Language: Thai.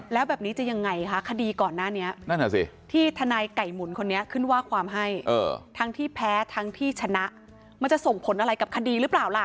แล้วแบบนี้จะยังไงคะคดีก่อนหน้านี้นั่นแหละสิที่ทนายไก่หมุนคนนี้ขึ้นว่าความให้ทั้งที่แพ้ทั้งที่ชนะมันจะส่งผลอะไรกับคดีหรือเปล่าล่ะ